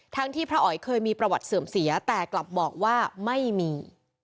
ที่พระอ๋อยเคยมีประวัติเสื่อมเสียแต่กลับบอกว่าไม่มี